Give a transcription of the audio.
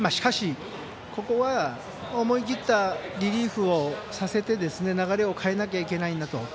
しかし、ここは思い切ったリリーフをさせて流れを変えなきゃいけないと。